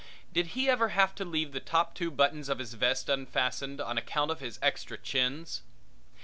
Did he ever have to leave the two top buttons of his vest unfastened on account of his extra chins?